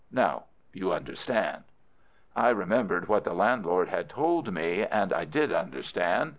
Now you understand." I remembered what the landlord had told me, and I did understand.